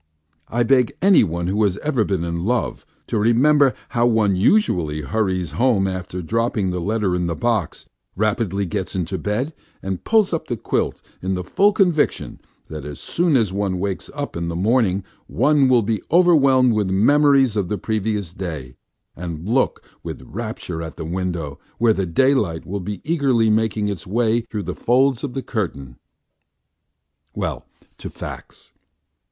I beg anyone who has ever been in love to remember how one usually hurries home after dropping the letter in the box, rapidly gets into bed and pulls up the quilt in the full conviction that as soon as one wakes up in the morning one will be overwhelmed with memories of the previous day and look with rapture at the window, where the daylight will be eagerly making its way through the folds of the curtain. Well, to facts.